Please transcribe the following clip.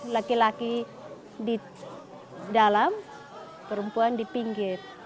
laki laki di dalam perempuan di pinggir